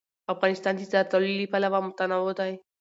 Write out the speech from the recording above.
افغانستان د زردالو له پلوه متنوع دی.